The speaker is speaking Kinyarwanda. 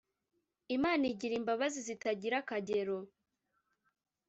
Imana igira imbabazi zitagira akagero